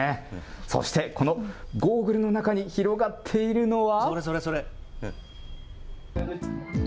そしてこのゴーグルの中に広がっているのは。